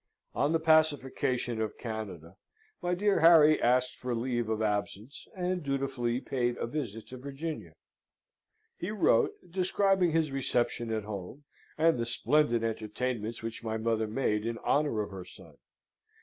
On the pacification of Canada, my dear Harry asked for leave of absence, and dutifully paid a visit to Virginia. He wrote, describing his reception at home, and the splendid entertainments which my mother made in honour of her son.